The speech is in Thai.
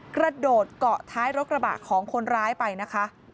กระโดดเกาะท้ายรถกระบะของคนร้ายไปนะคะ